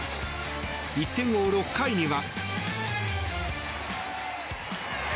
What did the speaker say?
１点を追う６回には。